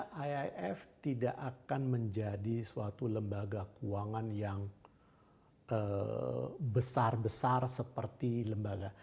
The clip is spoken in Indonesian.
karena iif tidak akan menjadi suatu lembaga keuangan yang besar besar seperti lembaga